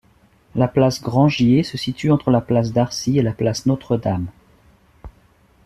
La place Grangier se situe entre la place Darcy et la place Notre-Dame.